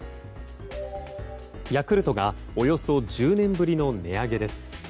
ヤクルトがおよそ１０年ぶりの値上げです。